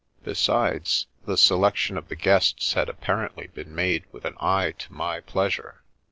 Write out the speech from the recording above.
Besides, the se lection of the guests had apparently been made with an eye to my pleasure.